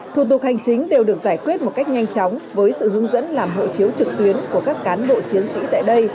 thủ tục hành chính đều được giải quyết một cách nhanh chóng với sự hướng dẫn làm hộ chiếu trực tuyến của các cán bộ chiến sĩ tại đây